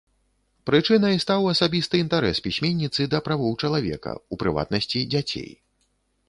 Прычынай стаў асабісты інтарэс пісьменніцы да правоў чалавека, у прыватнасці дзяцей.